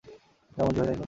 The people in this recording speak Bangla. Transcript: যা মর্জি হয় তাই করেন?